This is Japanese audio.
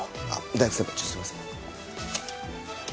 大福先輩ちょっとすいません。